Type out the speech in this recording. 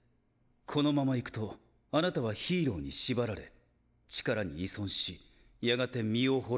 このままいくと貴方はヒーローに縛られ力に依存しやがて身を滅ぼすことになる。